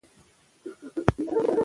غاتري د بار وړلو لپاره دي.